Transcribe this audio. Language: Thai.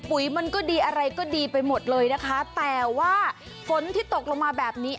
มันก็ดีอะไรก็ดีไปหมดเลยนะคะแต่ว่าฝนที่ตกลงมาแบบนี้